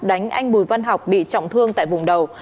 đánh anh bùi văn học bị trọng thương tại vùng đầu